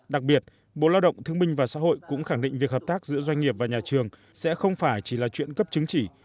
đặc biệt bộ lao động thương minh và xã hội cũng khẳng định việc hợp tác giữa doanh nghiệp và nhà trường sẽ không phải chỉ là chuyện cấp chứng chỉ